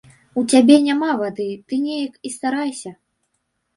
У цябе няма вады, ты неяк і старайся.